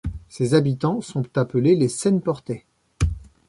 Ses habitants sont appelés les Seine-Portais.